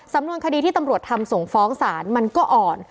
สำนวนคดีที่ตำรวจทำส่งฟ้องศาลมันก็อ่อน